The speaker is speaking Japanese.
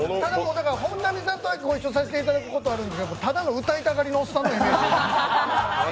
本並さんとはご一緒させていただくことはあるんですけど、ただの歌いたがりなおっさんのイメージ。